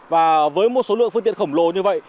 và với một số lượng phương tiện khổng lồ như vậy